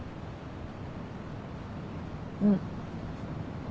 うん。